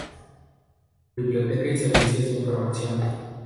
Biblioteca y Servicios de Información